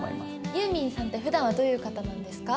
ユーミンさんってふだんはどういう方なんですか？